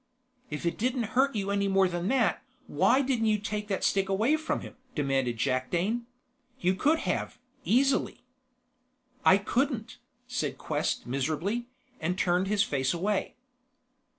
"If it didn't hurt you any more than that, why didn't you take that stick away from him?" demanded Jakdane. "You could have, easily." "I couldn't," said Quest miserably, and turned his face away.